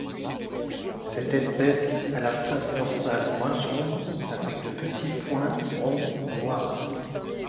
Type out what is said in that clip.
Cette espèce a la face dorsale brun sombre avec de petits points ronds noirs.